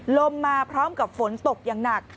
ลมมาพร้อมกับฝนตกอย่างหนัก